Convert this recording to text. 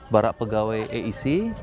barak pegawai aec